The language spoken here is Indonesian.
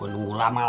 jangan usah m faith